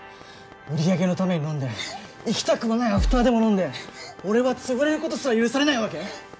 売り上げのために飲んで行きたくもないアフターでも飲んで俺は潰れることすら許されないわけ？